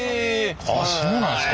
あっそうなんですか。